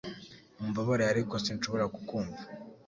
Mumbabarire, ariko sinshobora kukumva